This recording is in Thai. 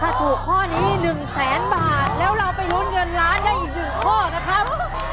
ถ้าถูกข้อนี้๑แสนบาทแล้วเราไปลุ้นเงินล้านได้อีก๑ข้อนะครับ